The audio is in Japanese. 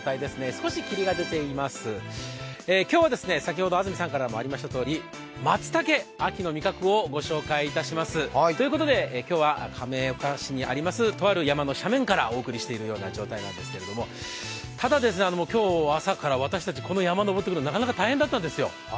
少し霧が出ています、今日は先ほど安住さんからもありましたとおりまつたけ、秋の味覚をご紹介いたします。ということで今日は亀岡市にありますとある山の斜面からお送りしているような状態なんですけれども、ただ、今日朝からこの山を登ってくるのはなかなか大変だったんですよ。